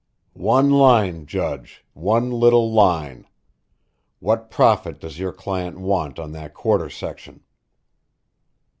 "One line, Judge, one little line. What profit does your client want on that quarter section?"